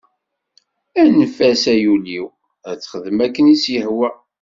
Anef-as ay ul-iw ad texdem akken i s-yehwa.